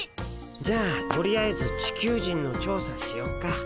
じゃあとりあえずチキュウジンの調査しよっか。